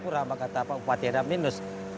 kurang pak bupati ada minus